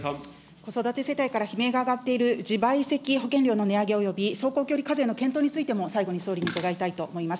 子育て世代から悲鳴が上がっている、自賠責保険料の値上げおよび走行距離課税の検討についても最後に総理に伺いたいと思います。